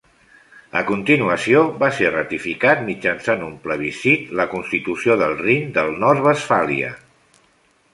A continuació, va ser ratificat mitjançant un plebiscit la Constitució del Rin del Nord-Westfàlia.